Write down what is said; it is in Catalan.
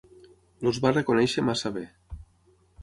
Els va reconèixer massa bé.